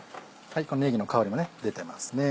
ねぎの香りも出てますね。